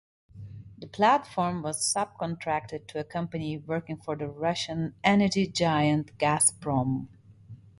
The platform was subcontracted to a company working for the Russian energy giant Gazprom.